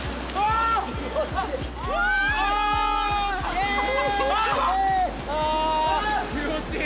あー、気持ちいい。